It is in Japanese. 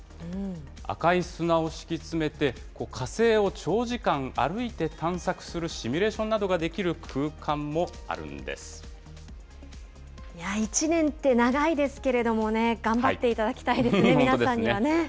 赤い砂を敷き詰めて、火星を長時間歩いて探索するシミュレーションなどができる空間も１年って長いですけれどもね、頑張っていただきたいですね、皆さんにはね。